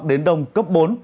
đông cấp bốn